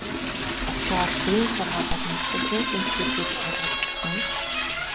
Товчоор, төрийн захиргаа болон засаглалын шинэтгэл гэж ойлгож болох юм.